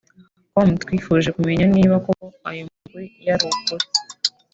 com twifuje kumenya niba koko ayo makuru yari ukuri